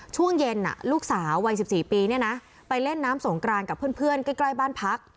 ช่วงเย็นลูกสาววัย๑๔ปีไปเล่นน้ำสงกรานกับเพื่อนใกล้บ้านพัก